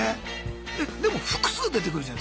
えっでも複数出てくるじゃん